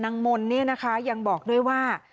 มนต์เนี่ยนะคะยังบอกด้วยว่า